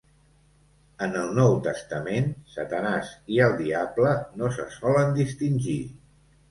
En el Nou Testament, Satanàs i el diable no se solen distingir.